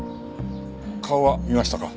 顔は見ましたか？